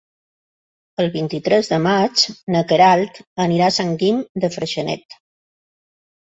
El vint-i-tres de maig na Queralt anirà a Sant Guim de Freixenet.